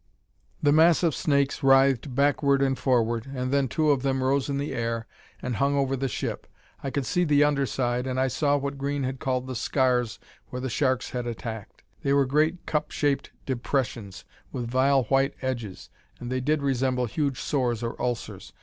"The mass of snakes writhed backward and forward, and then two of them rose in the air and hung over the ship. I could see the under side and I saw what Green had called the scars where the sharks had attacked. They were great cup shaped depressions with vile white edges, and they did resemble huge sores or ulcers.